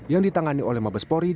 yang ditangani oleh mabes pori